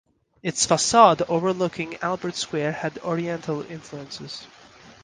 Its facade overlooking Albert Square had Oriental influences.